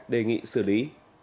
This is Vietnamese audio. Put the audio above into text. đề nghị xử lý